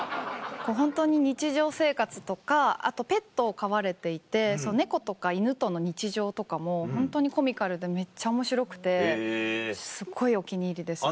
ホントに日常生活とかあとペットを飼われていて猫とか犬との日常とかもホントにコミカルでめっちゃ面白くてすっごいお気に入りです。